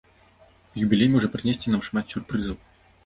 Юбілей можа прынесці нам шмат сюрпрызаў.